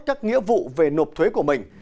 các nghĩa vụ về nộp thuế của mình